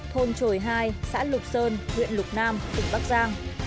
thôn trồi hai xã lục sơn huyện lục nam tỉnh bắc giang